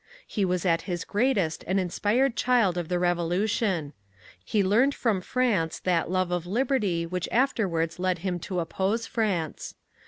He was at his greatest an inspired child of the Revolution. He learned from France that love of liberty which afterwards led him to oppose France.